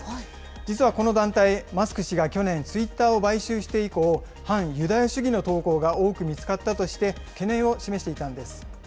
実はこの団体、マスク氏が去年、ツイッターを買収して以降、反ユダヤ主義の投稿が多く見つかったとして、懸念を示していたんです。